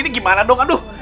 ini gimana dong aduh